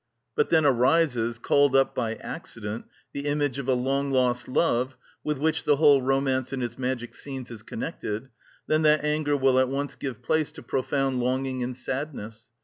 But then arises, called up by accident, the image of a long lost love, with which the whole romance and its magic scenes is connected; then that anger will at once give place to profound longing and sadness.